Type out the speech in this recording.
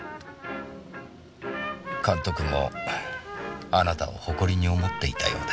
監督もあなたを誇りに思っていたようですね。